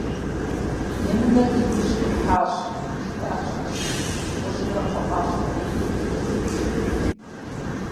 - Емынэр ди ужь къихьащ, - жиӏащ мыщэм, дыгъужьымрэ кхъуэпӏащэмрэ я деж нэсыжри.